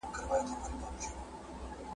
څه دولت به هم ترلاسه په ریشتیا کړې ,